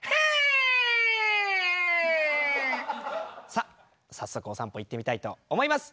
さあ早速お散歩行ってみたいと思います！